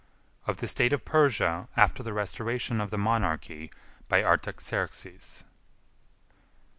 Of The State Of Persia After The Restoration Of The Monarchy By Artaxerxes.